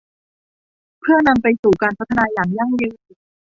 เพื่อนำไปสู่การพัฒนาอย่างยั่งยืน